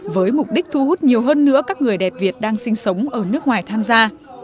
với mục đích thu hút nhiều hơn nữa các người đẹp việt đang sinh sống ở nước ngoài tham gia